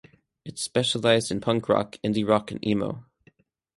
It specialized in Punk Rock, Indie Rock and Emo.